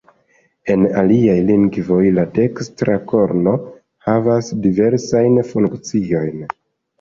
En aliaj lingvoj la dekstra korno havas diversajn funkciojn.